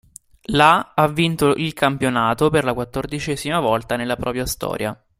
La ha vinto il campionato per la quattordicesima volta nella propria storia.